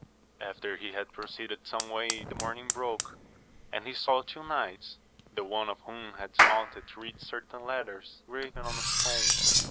After he had proceeded some way the morning broke, and he saw two knights, the one of whom had dismounted to read certain letters graven on a stone.